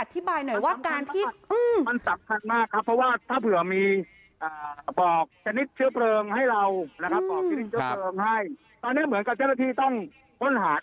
ตอนนี้เหมือนกับเจ้าหน้าที่ต้องผ้นหา